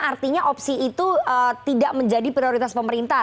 artinya opsi itu tidak menjadi prioritas pemerintah